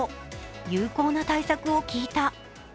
有効な対策を聞いた。